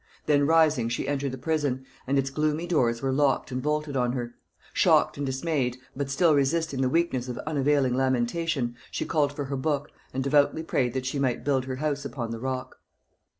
Then rising, she entered the prison, and its gloomy doors were locked and bolted on her. Shocked and dismayed, but still resisting the weakness of unavailing lamentation, she called for her book, and devoutly prayed that she might build her house upon the rock.